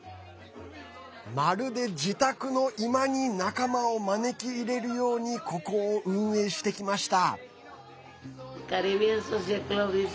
まるで自宅の居間に仲間を招き入れるようにここを運営してきました。